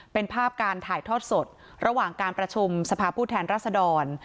เป็นภาพการถ่ายทอดสดระหว่างการประชุมสภาพผู้แทนรัศดร